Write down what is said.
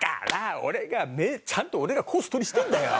俺が目ちゃんと俺がコース取りしてるんだよ！